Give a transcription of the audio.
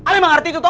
lu mengerti itu kan